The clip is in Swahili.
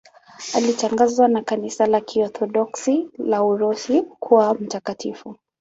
Alitangazwa na Kanisa la Kiorthodoksi la Urusi kuwa mtakatifu.